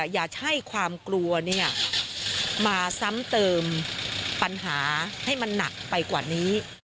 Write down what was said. อย่าใช้ความกลัวมาซ้ำเติมปัญหาให้มันหนักไปกว่านี้